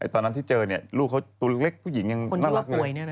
ตอนนั้นที่เจอลูกเขาตัวเล็กผู้หญิงยังน่ารักเลย